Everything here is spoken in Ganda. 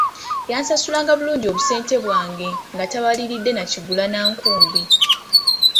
Yansasulanga bulungi obusente bwange nga tabaliridde kigula na nkumbi.